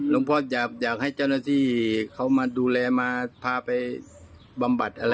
พ่ออยากให้เจ้าหน้าที่เขามาดูแลมาพาไปบำบัดอะไร